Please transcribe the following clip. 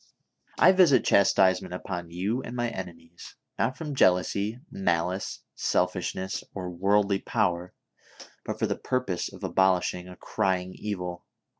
"I visit chastisement upon you and my enemies, not from jealousy, malice, selfishness or worldly power, but for the purpose of abolishing a crying evil